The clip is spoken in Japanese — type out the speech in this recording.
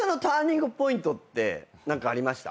何かありました？